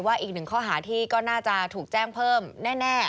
อีกหนึ่งข้อหาที่ก็น่าจะถูกแจ้งเพิ่มแน่